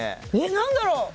何だろう？